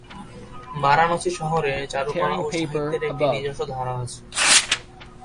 বারাণসী শহরে চারুকলা ও সাহিত্যের একটি নিজস্ব ধারা আছে।